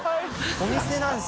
お店なんですよ